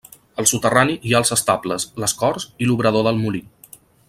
Al soterrani hi ha els estables, les corts i l'obrador del molí.